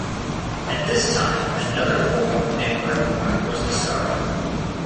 At this time, another form of neckwear worn was the scarf.